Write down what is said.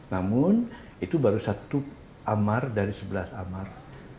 namun itu baru satu amar dari sebelas amar